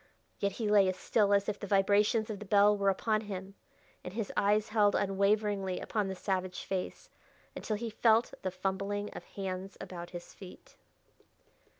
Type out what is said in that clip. Yet he lay as still as if the vibrations of the bell were upon him, and his eyes held unwaveringly upon the savage face, until he felt the fumbling of hands about his feet....